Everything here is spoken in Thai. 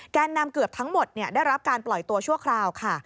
นำเกือบทั้งหมดได้รับการปล่อยตัวชั่วคราวค่ะ